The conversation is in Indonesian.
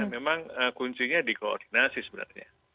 memang kuncinya di koordinasi sebenarnya